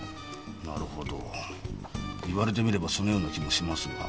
なるほど言われてみればそのような気もしますが。